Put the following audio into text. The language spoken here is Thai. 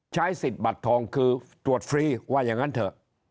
ใช้สิทธิ์บัตรทองคือตรวจฟรีว่าอย่างนั้นเถอะ